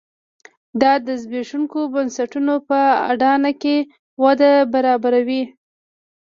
دا د زبېښونکو بنسټونو په اډانه کې وده برابروي.